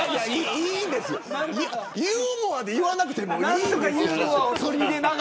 ユーモアで言わなくてもいいんです。